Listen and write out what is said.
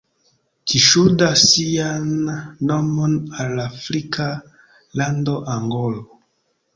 Ĝi ŝuldas sian nomon al la afrika lando Angolo.